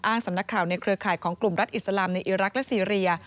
สำนักข่าวในเครือข่ายของกลุ่มรัฐอิสลามในอิรักษ์และซีเรีย